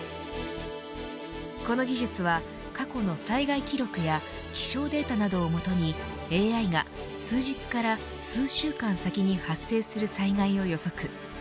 この技術は過去の災害記録や気象データなどをもとにＡＩが数日から数週間先に発生する災害を予測。